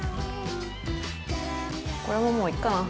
これももういいかな。